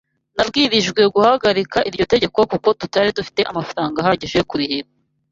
Nabwirijwe guhagarika iryo tegeko kuko tutari dufite amafaranga ahagije yo kurihira.